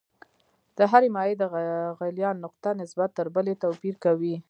د هرې مایع د غلیان نقطه نسبت تر بلې توپیر کوي.